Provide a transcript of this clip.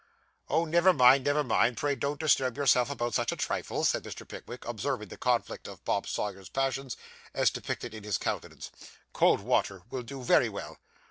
'Oh, never mind; never mind. Pray don't disturb yourself about such a trifle,' said Mr. Pickwick, observing the conflict of Bob Sawyer's passions, as depicted in his countenance, 'cold water will do very well.